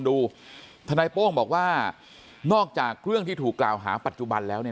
ทนายโป้งบอกว่านอกจากเรื่องที่ถูกกล่าวหาปัจจุบันแล้วเนี่ย